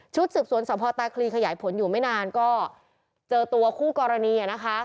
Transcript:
สืบสวนสพตาคลีขยายผลอยู่ไม่นานก็เจอตัวคู่กรณีนะคะ